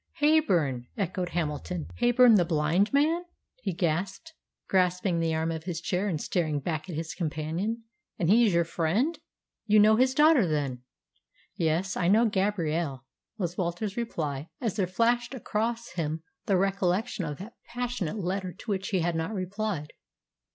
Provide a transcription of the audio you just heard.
"Heyburn!" echoed Hamilton. "Heyburn the blind man?" he gasped, grasping the arm of his chair and staring back at his companion. "And he is your friend? You know his daughter, then?" "Yes, I know Gabrielle," was Walter's reply, as there flashed across him the recollection of that passionate letter to which he had not replied.